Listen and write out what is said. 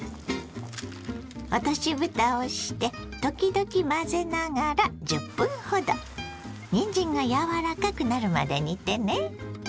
落としぶたをして時々混ぜながら１０分ほどにんじんが柔らかくなるまで煮てね。